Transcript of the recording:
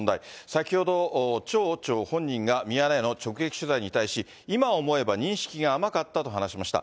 先ほど町長本人がミヤネ屋の直撃取材に対し、今思えば認識が甘かったと話しました。